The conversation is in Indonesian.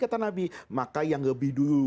kata nabi maka yang lebih dulu